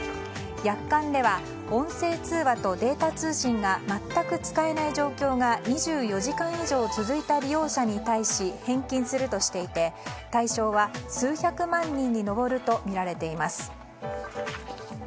約款では音声通話とデータ通信が全く使えない状況が２４時間以上続いた利用者に対し返金するとしていて対象は、数百万人に上るとみられます。